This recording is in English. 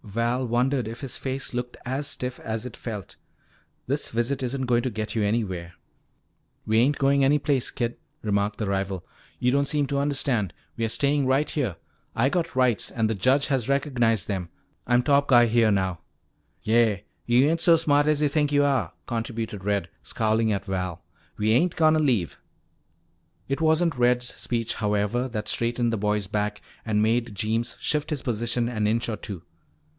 Val wondered if his face looked as stiff as it felt. "This visit isn't going to get you anywhere." "We ain't goin' any place, kid," remarked the rival. "You don't seem to understand. We're stayin' right here. I got rights and the judge has recognized them. I'm top guy here now." "Yeah. Yuh ain't so smart as yuh think yuh are," contributed Red, scowling at Val. "We ain't gonna leave." It wasn't Red's speech, however, that straightened the boy's back and made Jeems shift his position an inch or two.